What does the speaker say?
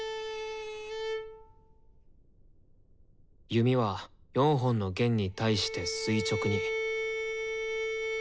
弓は４本の弦に対して垂直に。